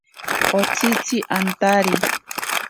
Otsitzi antari.